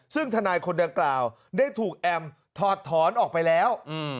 ซึ่งทนายคนดังกล่าวได้ถูกแอมถอดถอนออกไปแล้ว